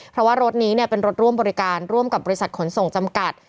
เพราะว่ารถนี้เป็นรถร่วมบริการร่วมกับบริษัทขนส่งจำกัด